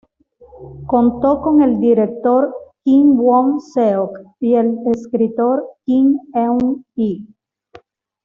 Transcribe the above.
Contó con el director Kim Won-seok y el escritor Kim Eun-hee.